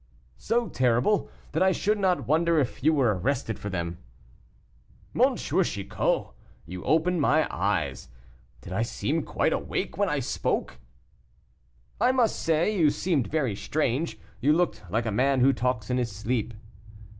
"So terrible, that I should not wonder if you were arrested for them." "M. Chicot, you open my eyes; did I seem quite awake when I spoke?" "I must say you seemed very strange; you looked like a man who talks in his sleep."